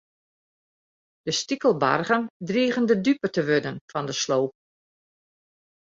De stikelbargen drigen de dupe te wurden fan de sloop.